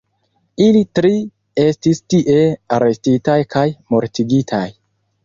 Ili tri estis tie arestitaj kaj mortigitaj.